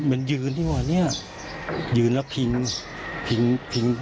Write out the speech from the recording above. เหมือนยืนนี่